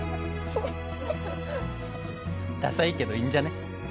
ダサいけどいいんじゃね？